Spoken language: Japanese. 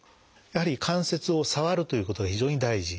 やはり関節を触るということは非常に大事。